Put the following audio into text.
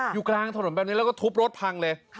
อยู่กลางถนนแบบนี้แล้วก็ทุบรถพังเลย